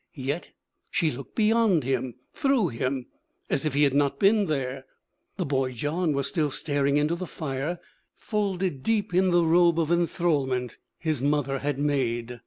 Yet she looked beyond him, through him, as if he had not been there. The boy John was still staring into the fire, folded deep in the robe of enthrallment his mother had made.